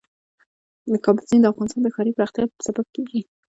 د کابل سیند د افغانستان د ښاري پراختیا سبب کېږي.